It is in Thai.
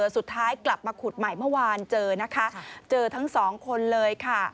สุดท้ายกลับมาขุดใหม่เมื่อวานเจอนะคะเจอทั้งสองคนเลยค่ะ